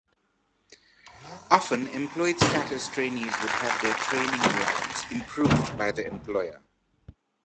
Often, employed status trainees would have their training allowance improved by the employer.